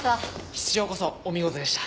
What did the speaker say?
室長こそお見事でした。